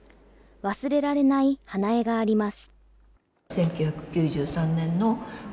忘れられない花絵があります。